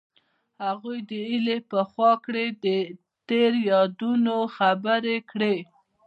هغوی د هیلې په خوا کې تیرو یادونو خبرې کړې.